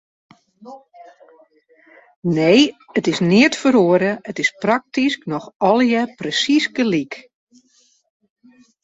Nee, it is neat feroare, it is praktysk noch allegear presiis gelyk.